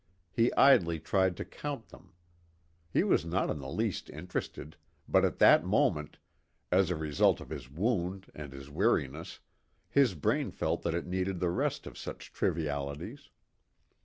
He idly tried to count them. He was not in the least interested, but at that moment, as a result of his wound and his weariness, his brain felt that it needed the rest of such trivialities.